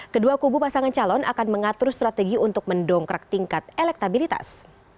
kedua kubu pasangan calon akan mengatur strategi untuk mendongkrak tingkat elektabilitas